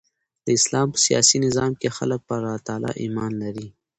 د اسلام په سیاسي نظام کښي خلک پر الله تعالي ایمان لري.